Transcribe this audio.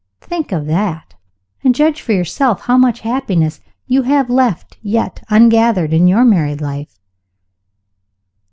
Think of that, and judge for yourself how much happiness you may have left yet ungathered in your married life."